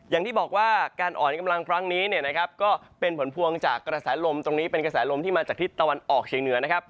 อย่างที่บอกว่าการอ่อนกำลังครั้งนี้เนี่ยนะครับก็เป็นผลพวงจากกระแสลมตรงนี้เป็นกระแสลมที่มาจากทิศตะวันออกเชียงเหนือนะครับ